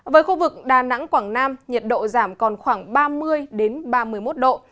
với khu vực đà nẵng quảng nam nhiệt độ giảm còn khoảng ba mươi ba mươi một độ